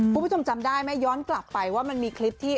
คุณผู้ชมจำได้ไหมย้อนกลับไปว่ามันมีคลิปที่